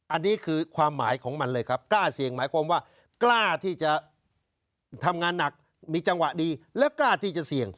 อันนี้คือความหมายของมันเลยครับกล้าเสี่ยงหมายความว่ากล้าที่จะทำงานหนักมีจังหวะดีและกล้าที่จะเสี่ยง